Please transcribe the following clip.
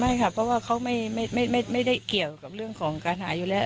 ไม่ค่ะเพราะว่าเขาไม่ได้เกี่ยวกับเรื่องของการหาอยู่แล้ว